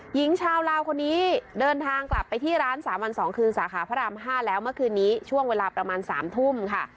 หญิงชาวลาวคนนี้เดินทางกลับไปที่ร้าน๓วัน๒คืนสาขาพระราม๕แล้วเมื่อคืนนี้ช่วงเวลาประมาณ๓ทุ่มค่ะ